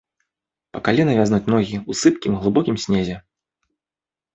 Па калена вязнуць ногі ў сыпкім, глыбокім снезе.